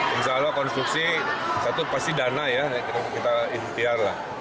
insya allah konstruksi satu pasti dana ya kita ikhtiar lah